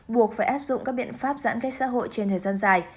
buộc phải áp dụng các biện pháp giãn cách xã hội trên thời gian dài